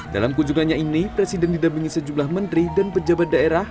dalam kunjungannya ini presiden didampingi sejumlah menteri dan pejabat daerah